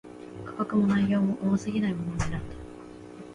価格も、内容も、重過ぎないものを選んだ